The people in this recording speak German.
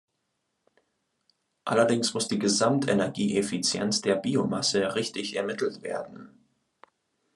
Allerdings muss die Gesamtenergieeffizienz der Biomasse richtig ermittelt werden.